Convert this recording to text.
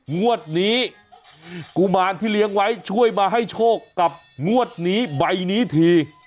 งวดนี้กุมารที่เลี้ยงไว้ช่วยมาให้โชคกับงวดนี้ใบนี้ที